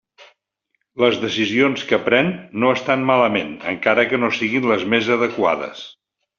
Les decisions que pren no estan malament encara que no siguin les més adequades.